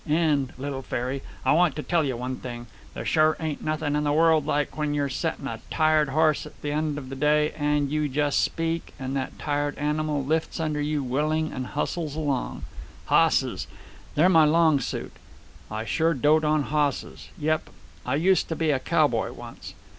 And, little fairy, I want to tell you one thing there sure ain't nothing in the world like when you're settin' a tired hoss at the end of a long day, and when you just speak, and that tired animal lifts under you willing and hustles along. Hosses! They're my long suit. I sure dote on hosses. Yep. I used to be a cowboy once."